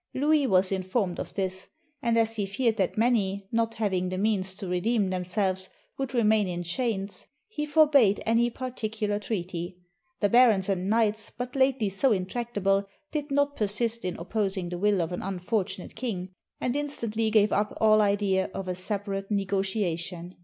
Louis was informed of this; and as he feared that many, not having the means to redeem themselves, would remain in chains, he forbade any particular treaty. The barons and knights, but lately so intractable, did not persist in opposing the will of an unfortunate king, and instantly gave up all idea of a separate negotiation.